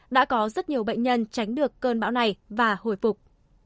đã có rất nhiều bệnh nhân tránh được cơn bão này và hồi phục